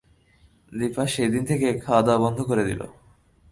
দিপা সেইদিন থেকে খাওয়াদাওয়া বন্ধ করে দিল।